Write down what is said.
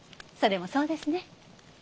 それもそうですね。